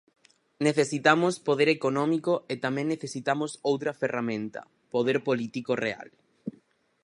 Necesitamos poder económico e tamén necesitamos outra ferramenta: poder político real.